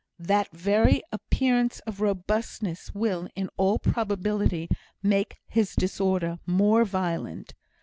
"That very appearance of robustness will, in all probability, make his disorder more violent.